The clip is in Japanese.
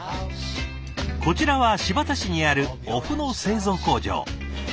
こちらは新発田市にあるお麩の製造工場。